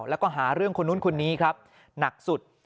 แล้วก็หาเรื่องคนนู้นคนนี้ครับหนักสุด